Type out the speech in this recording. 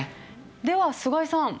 では菅井さん。